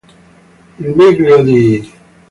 Il meglio di...